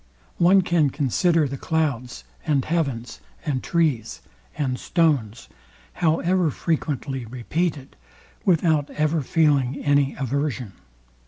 One can consider the clouds, and heavens, and trees, and stones, however frequently repeated, without ever feeling any aversion.